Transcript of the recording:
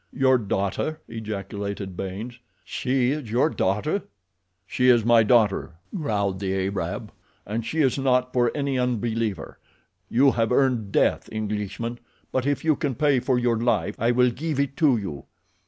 "Your daughter?" ejaculated Baynes. "She is your daughter?" "She is my daughter," growled the Arab, "and she is not for any unbeliever. You have earned death, Englishman, but if you can pay for your life I will give it to you."